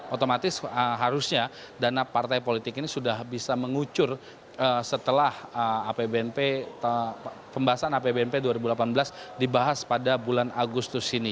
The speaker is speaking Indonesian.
otomatis harusnya dana partai politik ini sudah bisa mengucur setelah pembahasan apbnp dua ribu delapan belas dibahas pada bulan agustus ini